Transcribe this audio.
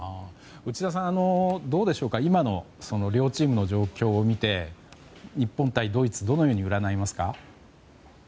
内田さん、どうでしょうか今の両チームの状況を見て日本対ドイツどのように占いますか？